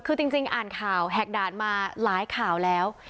คือจริงอ่านข่าวแหกด่านมาหลายข่าวแล้ว